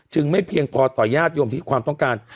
ไม่เพียงพอต่อญาติโยมที่ความต้องการ